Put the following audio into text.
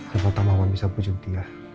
semoga mama bisa pujuk dia